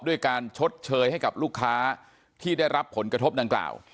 ด้วยการชดเชยให้กับลูกค้าที่ได้รับผลกระทบดังกล่าว